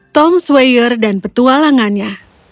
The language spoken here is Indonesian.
tom sweyer dan petualangannya